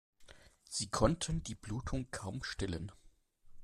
Sie konnten die Blutung kaum stillen.